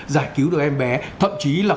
giải cứu được em bé thậm chí là